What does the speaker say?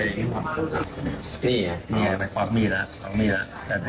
มันต้องการมาหาเรื่องมันจะมาแทงนะ